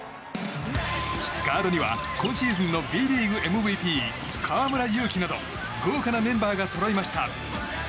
ガードには今シーズンのＢリーグＭＶＰ、河村勇輝など豪華なメンバーがそろいました。